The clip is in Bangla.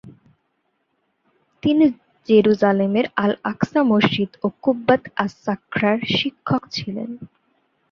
তিনি জেরুসালেমের আল-আকসা মসজিদ ও কুব্বাত আস-সাখরার শিক্ষক ছিলেন।